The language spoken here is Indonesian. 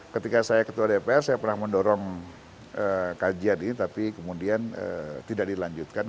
ketika saya ketua dpr saya pernah mendorong kajian ini tapi kemudian tidak dilanjutkan